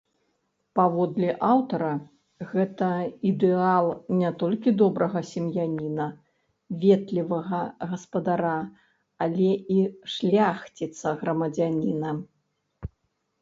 Паводле аўтара, гэта ідэал не толькі добрага сем'яніна, ветлівага гаспадара, але і шляхціца-грамадзяніна.